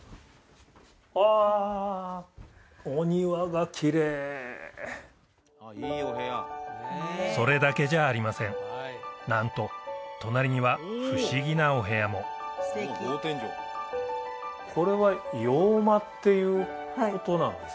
あお庭がきれいそれだけじゃありませんなんと隣には不思議なお部屋もこれは洋間っていうことなんですか？